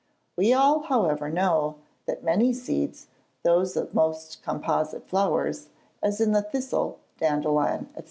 We all, however, know, that many seeds (those of most composite flowers, as of the thistle, dandelion, &c.)